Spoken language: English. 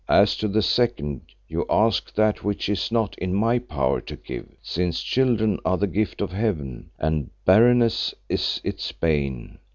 As to the second, you ask that which it is not in my power to give, since children are the gift of Heaven, and barrenness is its bane.